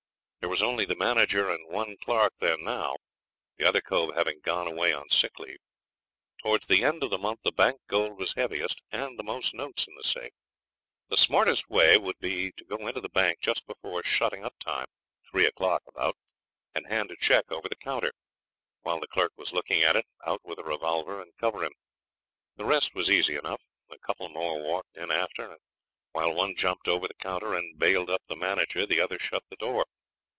There was only the manager and one clerk there now, the other cove having gone away on sick leave. Towards the end of the month the bank gold was heaviest and the most notes in the safe. The smartest way would be to go into the bank just before shutting up time three o'clock, about and hand a cheque over the counter. While the clerk was looking at it, out with a revolver and cover him. The rest was easy enough. A couple more walked in after, and while one jumped over the counter and bailed up the manager the other shut the door.